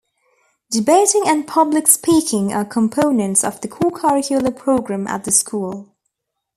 Debating and Public Speaking are components of the co-curricular program at the school.